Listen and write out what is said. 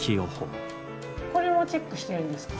これもチェックしてるんですか？